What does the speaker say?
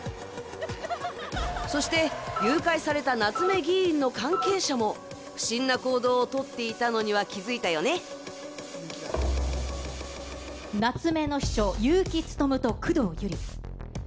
そして、誘拐された夏目議員の関係者も、不審な行動を取っていたのには気夏目の秘書、結城勉と工藤百合。